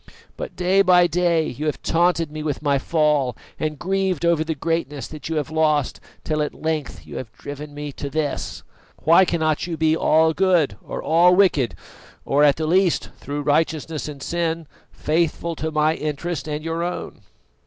But day by day you have taunted me with my fall and grieved over the greatness that you have lost, till at length you have driven me to this. Why cannot you be all good or all wicked, or at the least, through righteousness and sin, faithful to my interest and your own?"